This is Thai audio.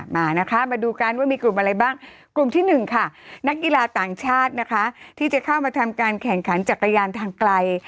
มานะคะมาดูกันว่ามีกลุ่มอะไรบ้างกลุ่มที่หนึ่งค่ะนักกีฬาต่างชาตินะคะที่จะเข้ามาทำการแข่งขันจักรยานทางไกล